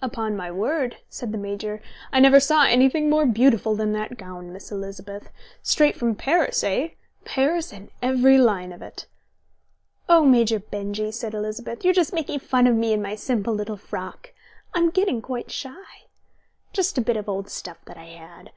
"Upon my word," said the Major, "I never saw anything more beautiful than that gown, Miss Elizabeth. Straight from Paris, eh? Paris in every line of it." "Oh, Major Benjy," said Elizabeth. "You're all making fun of me and my simple little frock. I'm getting quite shy. Just a bit of old stuff that I had.